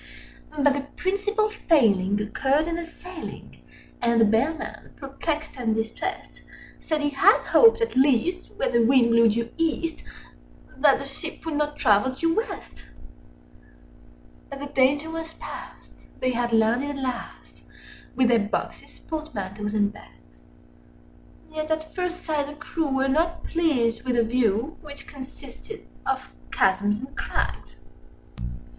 But the principal failing occurred in the sailing, Â Â Â Â And the Bellman, perplexed and distressed, Said he had hoped, at least, when the wind blew due East, Â Â Â Â That the ship would not travel due West! But the danger was past—they had landed at last, Â Â Â Â With their boxes, portmanteaus, and bags: Yet at first sight the crew were not pleased with the view, Â Â Â Â Which consisted of chasms and crags.